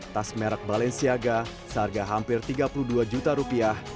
tas merek balenciaga seharga hampir tiga puluh dua juta rupiah